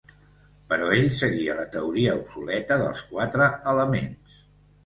Però ell seguia la teoria obsoleta dels quatre elements.